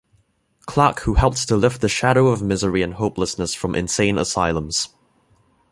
Clarke who helped to lift the shadow of misery and hopelessness from insane asylums.